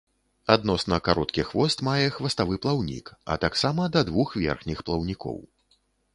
Адносна кароткі хвост мае хваставы плаўнік, а таксама да двух верхніх плаўнікоў.